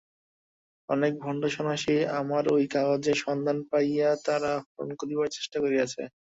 অনেক ভণ্ড সন্ন্যাসী আমার ঐ কাগজের সন্ধান পাইয়া তাহা হরণ করিবারও চেষ্টা করিয়াছে।